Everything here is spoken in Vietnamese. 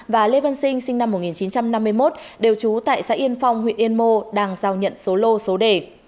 và lê văn sinh sinh năm một nghìn chín trăm năm mươi một đều trú tại xã yên phong huyện yên mô đang giao nhận số lô số đề